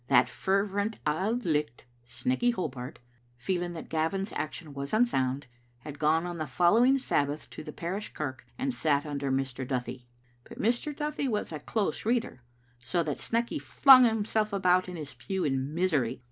That fervent Auld Licht, Snecky Hobart, feeling that Gavin's action was unsound, had gone on the following Sabbath to the parish kirk and sat under Mr. Duthie. But Mr. Duthie was a close reader, so that Snecky flung himself about in his pew in misery.